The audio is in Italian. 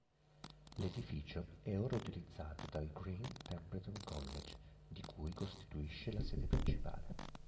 L'edificio è ora utilizzato dal Green Templeton College di cui costituisce la sede principale.